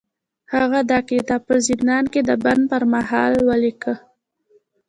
هغه دا کتاب په زندان کې د بند پر مهال ولیکه